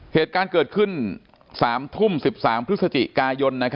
เหตุการณ์เกิดขึ้น๓ทุ่ม๑๓พฤศจิกายน